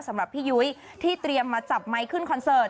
สำหรับพี่ยุ้ยที่เตรียมมาจับไมค์ขึ้นคอนเสิร์ต